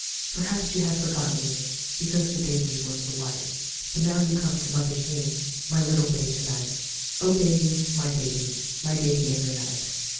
Perhaps you had forgotten me Because the daisies were so white, But now you come to mother's knee, My little babe to night j Oh baby, my baby I My baby every night.